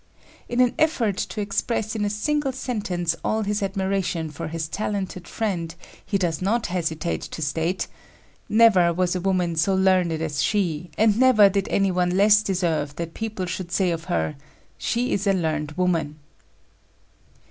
In an effort to express in a single sentence all his admiration for his talented friend he does not hesitate to state: "Never was woman so learned as she, and never did anyone less deserve that people should say of her, 'She is a learned woman.'"